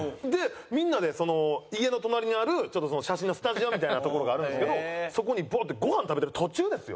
みんなで家の隣にある写真のスタジオみたいな所があるんですけどそこにバーッてごはん食べてる途中ですよ？